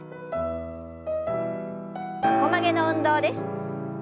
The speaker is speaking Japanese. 横曲げの運動です。